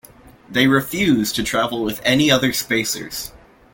They refuse to travel with any other spacers.